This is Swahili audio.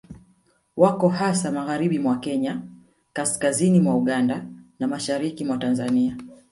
Wako hasa magharibi mwa Kenya kaskazini mwa Uganda na mashariki mwa Tanzania